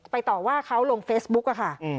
ต่อว่าเขาลงเฟซบุ๊กอะค่ะ